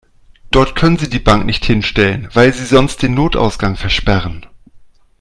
Dort können Sie die Bank nicht hinstellen, weil Sie sonst den Notausgang versperren.